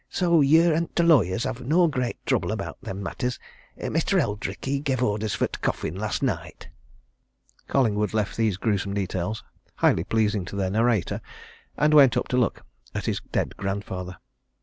So yer an' t' lawyers'll have no great trouble about them matters. Mestur Eldrick, he gev' orders for t' coffin last night." Collingwood left these gruesome details highly pleasing to their narrator and went up to look at his dead grandfather.